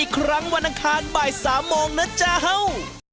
อีกครั้งวันอาทิตย์๓โมงเย็น